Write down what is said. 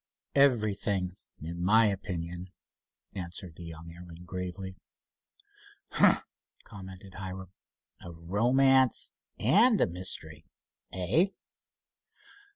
"Everything, in my opinion," answered the young airman, gravely. "Humph!" commented Hiram. "A romance and a mystery, eh?"